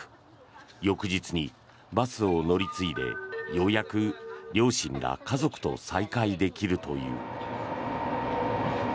翌日にバスを乗り継いでようやく両親ら家族と再会できるという。